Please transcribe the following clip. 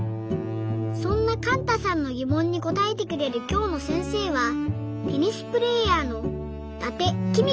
そんなかんたさんのぎもんにこたえてくれるきょうのせんせいはテニスプレーヤーの伊達公子さん。